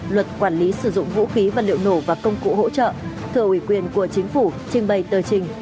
luật quản lý sử dụng vũ khí và liệu nổ và công cụ hỗ trợ thờ ủy quyền của chính phủ trình bày tờ trình